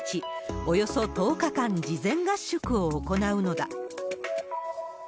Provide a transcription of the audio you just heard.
およそ１０日間、事前合宿を行うのだ。